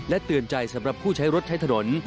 เตือนใจสำหรับผู้ใช้รถใช้ถนน